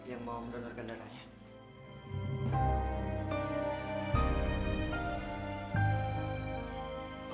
yang mau mendonorkan dananya